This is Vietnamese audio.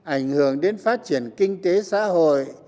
ảnh hưởng đến phát triển kinh tế xã hội